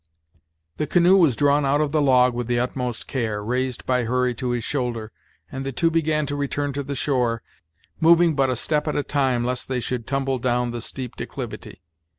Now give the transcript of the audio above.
The canoe was drawn out of the log with the utmost care, raised by Hurry to his shoulder, and the two began to return to the shore, moving but a step at a time, lest they should tumble down the steep declivity.